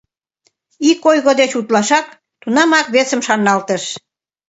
Йк ойго деч утлышат, тунамак весым шарналтыш.